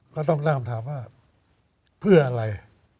ก็ต้องตั้งคำถามว่าเพื่ออะไร